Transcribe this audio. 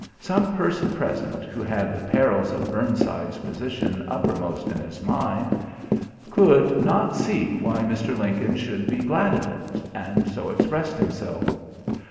Some person present, who had the perils of Burnside's position uppermost in his mind, could, not see why Mr. Lincoln should be glad of it, and so expressed himself.